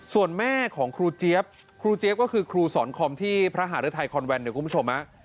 ส่วนแม่ของครูเจี๊ยบครูเจี๊ยบก็คือครูสอนคอมที่พระหารุทัยคอนแวนเนี่ยคุณผู้ชม